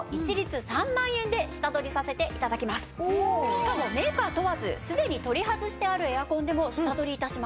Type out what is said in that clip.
しかもメーカー問わず既に取り外してあるエアコンでも下取り致します。